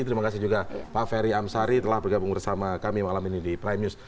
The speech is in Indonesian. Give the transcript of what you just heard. terima kasih juga pak ferry amsari telah bergabung bersama kami malam ini di prime news